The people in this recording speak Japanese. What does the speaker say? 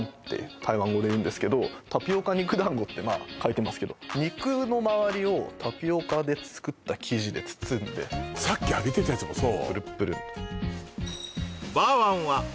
台湾語でいうんですけど「タピオカ肉団子」ってまあ書いてますけど肉の周りをタピオカで作った生地で包んでさっき揚げてたやつもそう？